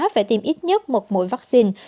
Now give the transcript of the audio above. phải tiêm ít nhất một mũi vaccine